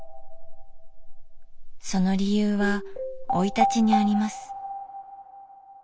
その理由は生い立ちにあります。